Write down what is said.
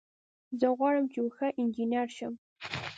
زه غواړم چې یو ښه انجینر شم